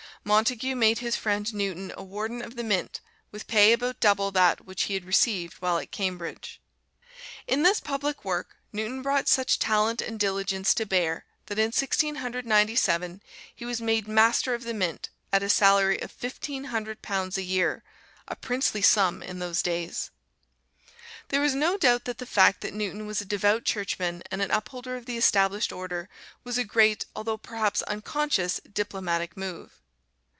Montague made his friend Newton a Warden of the Mint, with pay about double that which he had received while at Cambridge. In this public work Newton brought such talent and diligence to bear that in Sixteen Hundred Ninety seven he was made Master of the Mint, at a salary of fifteen hundred pounds a year a princely sum in those days. There is no doubt that the fact that Newton was a devout Churchman and an upholder of the Established Order was a great, although perhaps unconscious, diplomatic move.